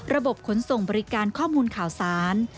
ระบบขนส่งบริการข้อมูลข่าวสาร